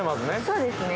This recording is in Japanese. ◆そうですね。